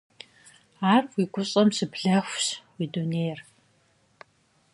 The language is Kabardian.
Ар уи гущӏэм щыблэхущ уи дунейр.